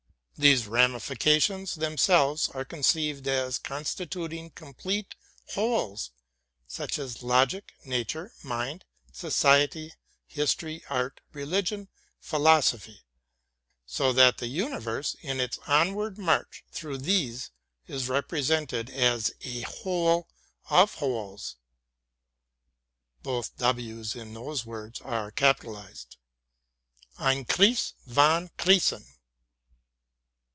These ramifica tions themselves are conceived as constituting complete wholes, such as logic, nature, mind, society, history, art, religion, philosophy, so that the universe in its onward march through these is represented as a Whole of Wholes — ein Kreis von Kreisen.